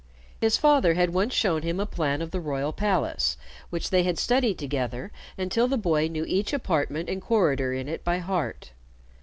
His father had once shown him a plan of the royal palace which they had studied together until the boy knew each apartment and corridor in it by heart.